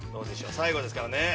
最後ですからね。